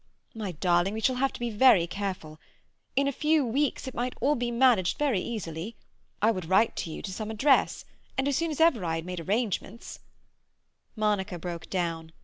My darling, we shall have to be very careful. In a few weeks it might all be managed very easily. I would write to you, to some address, and as soon as ever I had made arrangements—" Monica broke down.